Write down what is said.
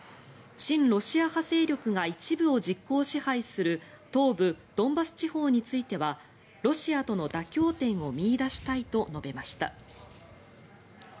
親ロシア派勢力が一部を実効支配する東部ドンバス地方についてはロシアとの妥協点を見いだしたいと述べました。